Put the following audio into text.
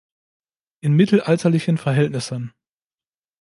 In mittelalterlichen Verhältnissen.